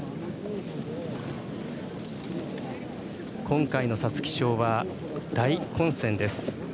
今回の皐月賞は大混戦です。